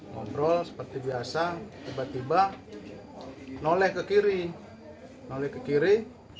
ngobrol seperti biasa tiba tiba noleh ke kiri noleh ke kiri